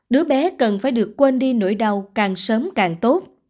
đứa bé cần phải được quên đi nỗi đau càng sớm càng tốt